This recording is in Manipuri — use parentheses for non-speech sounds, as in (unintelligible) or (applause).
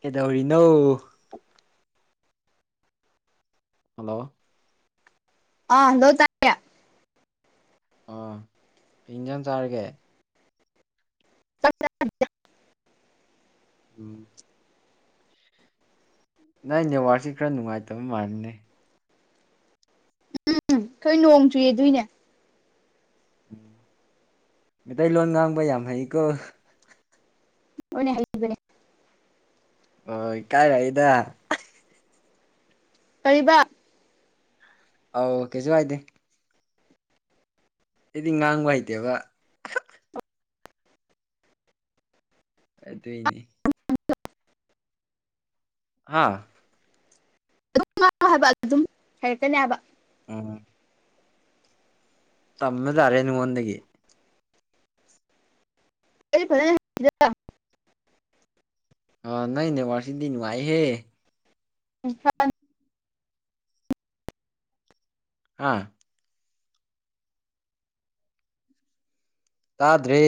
ꯀꯩꯗꯧꯔꯤꯅꯣ ꯍꯜꯂꯣ ꯑ ꯍꯜꯂꯣ ꯇꯥꯏ ꯑꯣ ꯀꯩ ꯏꯟꯖꯥꯡ ꯆꯥꯔꯒꯦ (unintelligible) ꯎꯝ ꯅꯪ ꯅꯦꯠꯋꯥꯔꯛꯁꯤ ꯈꯔ ꯅꯨꯡꯉꯥꯏꯇꯕ ꯃꯥꯟꯅꯦ ꯎꯝ ꯈꯣꯏ ꯅꯣꯡ ꯆꯨꯏꯌꯦ ꯑꯗꯨꯏꯅꯦ ꯎꯝ ꯃꯩꯇꯩꯂꯣꯟ ꯉꯥꯡꯕ ꯌꯥꯝ ꯍꯩꯀꯣ ꯑꯣꯅꯦ ꯍꯩꯕꯅꯦ ꯑꯣꯏ ꯀꯥꯏꯔꯛꯏꯗ ꯀꯩꯕꯥ ꯑꯧ ꯀꯦꯁꯨ ꯍꯥꯏꯗꯦ ꯑꯩꯗꯤ ꯉꯥꯡꯕ ꯍꯩꯇꯦꯕ ꯑꯗꯨꯏꯅꯤ ꯍꯥꯥ (unintelligible) ꯑꯗꯨꯝ ꯍꯩꯔꯛꯀꯅꯦ ꯍꯥꯏꯕ ꯎꯝ ꯇꯝꯃ ꯇꯥꯔꯦ ꯅꯉꯣꯟꯗꯒꯤ ꯑꯩ ꯐꯖꯟ (unintelligible) ꯑꯣ ꯅꯣꯏ ꯅꯦꯠꯋꯥꯔꯁꯤꯗꯤ ꯅꯨꯡꯉꯥꯏꯍꯦ (unintelligible) ꯍꯥꯥ ꯇꯥꯗ꯭ꯔꯦ